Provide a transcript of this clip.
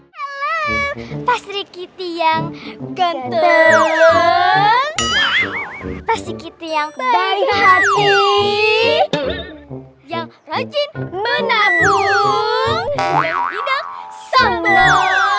halo pasri kitty yang ganteng pasri kitty yang baik hati yang rajin menabung yang hidang semua